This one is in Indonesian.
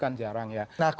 kan jarang ya